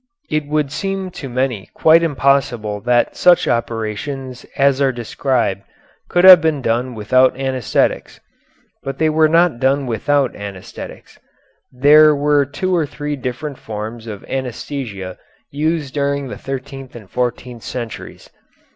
It would seem to many quite impossible that such operations as are described could have been done without anæsthetics, but they were not done without anæsthetics. There were two or three different forms of anæsthesia used during the thirteenth and fourteenth centuries.